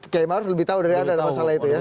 k maruf lebih tahu dari anda masalah itu ya